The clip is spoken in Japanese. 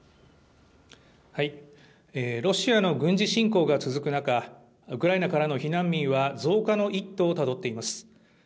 ロシアの軍事侵攻が続く中、ウクライナからの避難民は増加の一途をたどっています。